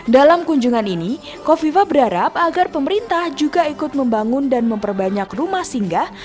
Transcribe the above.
dalam kunjungan ini kofifa berharap agar pemerintah juga ikut membangun dan memperbanyak rumah singgah